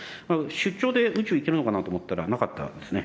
出張で宇宙行けるのかなと思ったら、なかったですね。